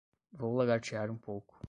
Vou lagartear um pouco